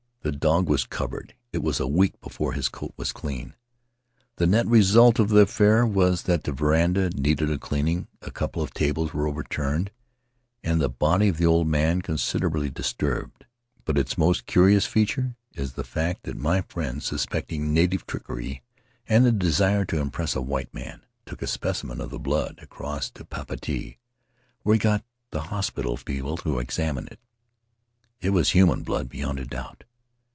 The dog was covered — it was a week before his coat was clean. The net result of the affair was that the veranda needed a cleaning, a couple of tables were overturned, and the body of the old man considerably disturbed; but its most curious feature is the fact that my friend — suspecting native trickery and the desire to impress a white man — took a specimen of the blood across to Papeete, where he got the hospital people to examine it. It was human blood beyond a doubt.